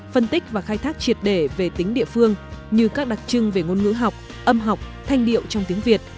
phân tích và khai thác triệt để về tính địa phương như các đặc trưng về ngôn ngữ học âm học thanh điệu trong tiếng việt